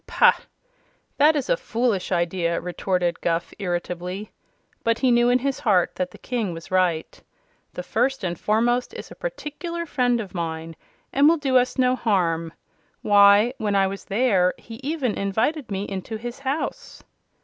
"Pah! That is a foolish idea," retorted Guph, irritably, but he knew in his heart that the King was right. "The First and Foremost is a particular friend of mine, and will do us no harm. Why, when I was there, he even invited me into his house."